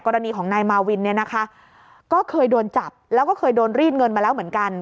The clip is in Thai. กรณีของนายมาวินเนี่ยนะคะก็เคยโดนจับแล้วก็เคยโดนรีดเงินมาแล้วเหมือนกัน